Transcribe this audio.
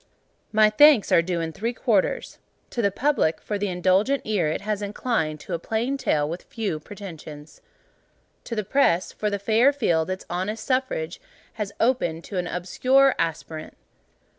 My thanks are due in three quarters. To the Public, for the indulgent ear it has inclined to a plain tale with few pretensions. To the Press, for the fair field its honest suffrage has opened to an obscure aspirant.